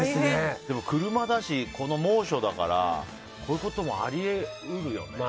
でも車だし、この猛暑だからこういうこともあり得るよね。